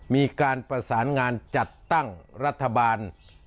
มีการประสานงานจัดตั้งรัฐบาล